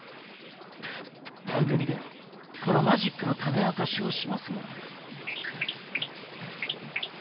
番組ではこのマジックのタネ明かしをしますが。